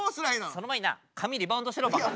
その前にな髪リバウンドしろバカ。